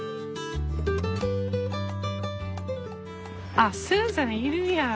あっスーザンいるやん。